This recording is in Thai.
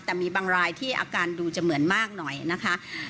แต่มีบางรายที่อาการดูจะเหมือนมากหน่อยนะคะ